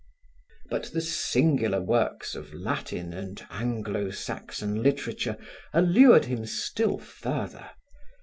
But the singular works of Latin and Anglo Saxon literature allured him still further.